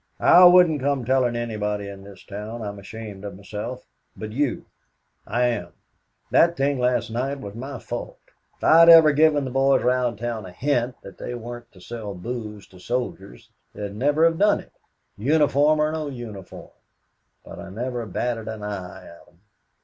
"I wouldn't come telling anybody in this town I'm ashamed of myself but you I am. That thing last night was my fault. If I'd ever given the boys round town a hint that they weren't to sell booze to soldiers, they'd never done it, uniform or no uniform; but I never batted an eye at 'em.